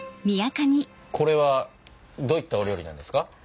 これはどういったお料理なんですか？